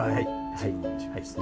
はい。